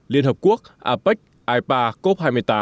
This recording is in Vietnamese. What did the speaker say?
liên hợp quốc apec ipa cop hai mươi tám